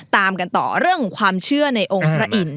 ตามกันต่อเรื่องของความเชื่อในองค์พระอินทร์